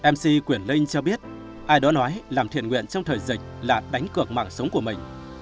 mc quyển linh cho biết ai đó nói làm thiện nguyện trong thời dịch là đánh cược mạng sống của mình